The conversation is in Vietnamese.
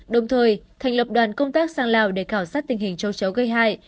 đồng thời thành lập đoàn công tác sang lào để khảo sát tình hình châu chấu gây hại